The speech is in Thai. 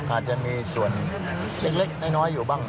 อาจจะมีส่วนเล็กน้อยอยู่บ้าง